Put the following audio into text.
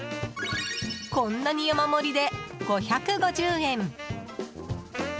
こんなに山盛りで５５０円。